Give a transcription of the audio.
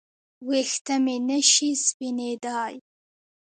ویښته مې نشي سپینېدای